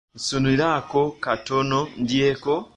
Nsuniraako katono ndyeko.